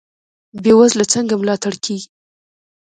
بې وزله څنګه ملاتړ کیږي؟